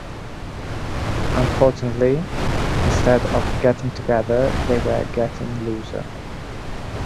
Unfortunately, instead of getting together, they were getting looser.